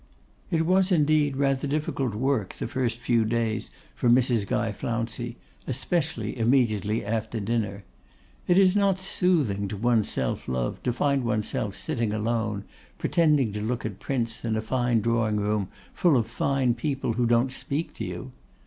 It was, indeed, rather difficult work the first few days for Mrs. Guy Flouncey, especially immediately after dinner. It is not soothing to one's self love to find oneself sitting alone, pretending to look at prints, in a fine drawing room, full of fine people who don't speak to you.